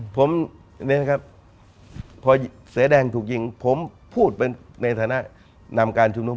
พอเสดงถูกยิงผมพูดเป็นในฐานะนามการชุมนุม